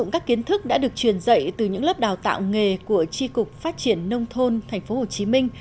các kiến thức đã được truyền dạy từ những lớp đào tạo nghề của tri cục phát triển nông thôn tp hcm